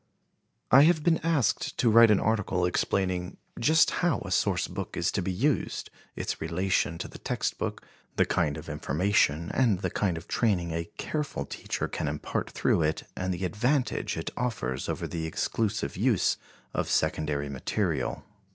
I have been asked to write an article explaining "just how a source book is to be used, its relation to the text book, the kind of information and the kind of training a careful teacher can impart through it and the advantage it offers over the exclusive use of secondary material."